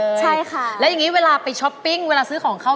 ไม่ได้เหมือนเดิม